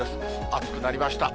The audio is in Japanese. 暑くなりました。